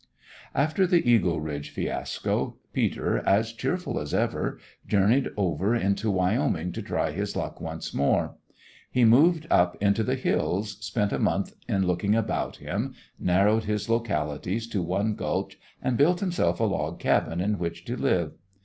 After the Eagle Ridge fiasco, Peter, as cheerful as ever, journeyed over into Wyoming to try his luck once more. He moved up into the hills, spent a month in looking about him, narrowed his localities to one gulch, and built himself a log cabin in which to live.